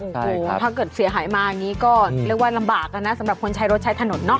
โอ้โหถ้าเกิดเสียหายมาอย่างนี้ก็เรียกว่าลำบากนะสำหรับคนใช้รถใช้ถนนเนาะ